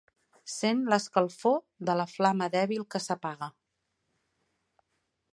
Sent l'escalfor de la flama dèbil que s'apaga.